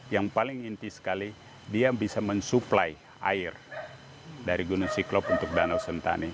yang paling inti sekali dia bisa mensuplai air dari gunung siklop untuk danau sentani